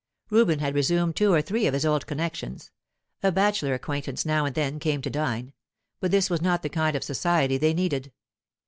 Reuben had resumed two or three of his old connections; a bachelor acquaintance now and then came to dine; but this was not the kind of society they needed.